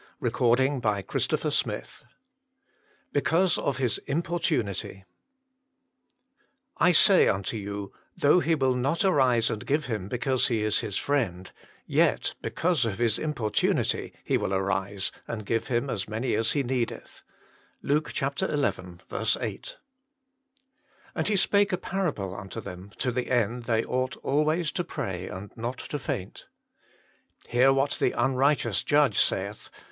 A PLEA FOR MORE PRAYER CHAPTEE IV Because of $ts Importumtfj "I say unto you, Though he will not rise and give him, because he is his friend, yet because of his importunity he will arise and give him as many as he needeth." LUKE xi. 8. "And He spake a parable unto them, to the end, they ought always to pray and not to faint. ... Hear what the unrighteous judge saith.